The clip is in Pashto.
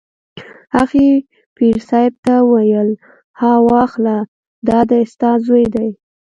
هغې پیر صاحب ته وویل: ها واخله دا دی ستا زوی دی.